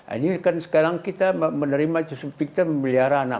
ini kan sekarang kita menerima cusup piktir memelihara anak